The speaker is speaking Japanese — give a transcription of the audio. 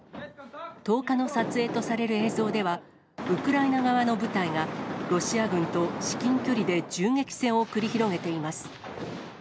１０日の撮影とされる映像では、ウクライナ側の部隊が、ロシア軍と至近距離で銃撃戦を繰り広げています。